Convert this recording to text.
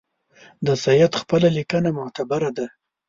د سید خپله لیکنه معتبره ده.